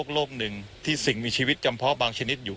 คุณทัศนาควดทองเลยค่ะ